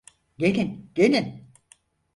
Gelin, gelin.